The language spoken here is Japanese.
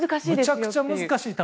めちゃくちゃ難しい球。